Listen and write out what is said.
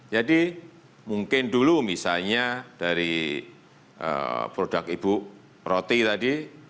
jadi mungkin dulu misalnya dari produk ibu roti tadi